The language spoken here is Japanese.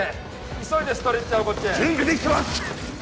急いでストレッチャーをこっちへ準備できてます